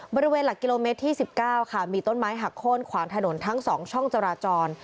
บริเวณหลักกิโลเมตรที่๑๙ค่ะมีต้นไม้หักโค้นขวางถนนทั้ง๒ช่องจราจร